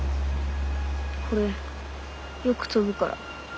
これよく飛ぶから。